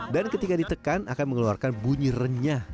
dan ketika ditekan akan mengeluarkan bunyi renyah